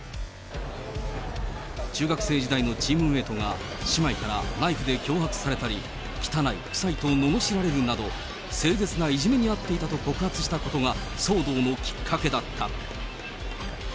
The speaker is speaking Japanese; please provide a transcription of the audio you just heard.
中学生時代のチームメートが姉妹からナイフで脅迫されたり、汚い、臭いとののしられるなど、凄絶ないじめに遭っていたと告発したことが騒動のきっかけだった。